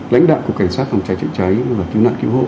lãnh đạo của cảnh sát phòng cháy trợ cháy và cứu nạn cứu hộ